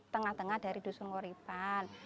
tengah tengah dari dusun ngoripan